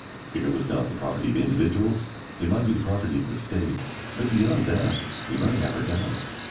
If it was not the property of individuals it might be the property of the State. But beyond that we might have our doubts.